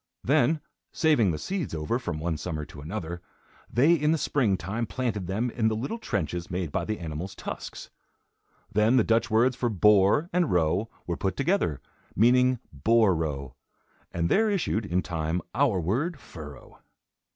Then, saving the seeds over, from one summer to another, they in the spring time planted them in the little trenches made by the animal's tusks. Then the Dutch words for "boar" and "row" were put together, meaning boar row, and there issued, in time, our word "furrow."